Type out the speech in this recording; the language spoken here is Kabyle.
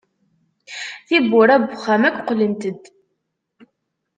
Tiwwura n wexxam akk qqlent-d.